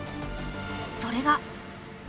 それが。